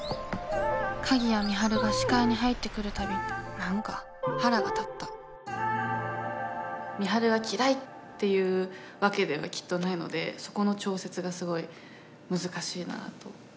鍵谷美晴が視界に入ってくるたび何か腹が立った美晴が嫌いっていうわけではきっとないのでそこの調節がすごい難しいなと。